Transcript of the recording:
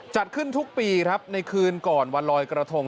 จัดขึ้นทุกปีครับในคืนก่อนวันลอยกระทง